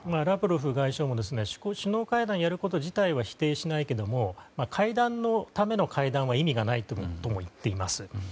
ラブロフ外相は首脳会談をやること自体は否定しないけれども会談のための会談は意味がないとも言っています。